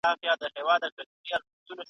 ته چي صبر کوې ټوله مجبوري ده .